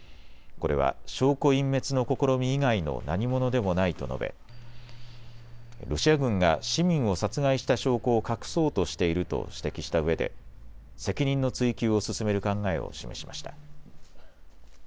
これは証拠隠滅の試み以外の何ものでもないと述べ、ロシア軍が市民を殺害した証拠を隠そうとしていると指摘したうえで責任の追及を進める考えを示しました。